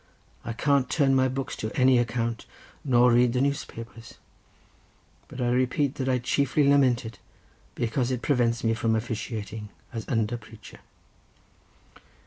I can't turn my books to any account, nor read the newspapers; but I repeat that I chiefly lament it because it prevents me from officiating as under preacher."